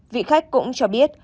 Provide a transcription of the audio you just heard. vị khách cũng cho biết